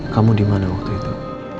kamu dimana waktu itu